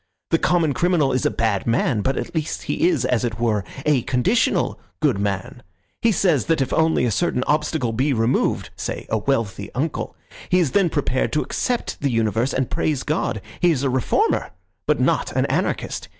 The common criminal is a bad man, but at least he is, as it were, a conditional good man. He says that if only a certain obstacle be removed—say a wealthy uncle—he is then prepared to accept the universe and to praise God. He is a reformer, but not an anarchist.